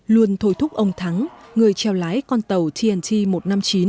luôn thôi thúc ông thắng người treo lái con tàu tnt một trăm năm mươi chín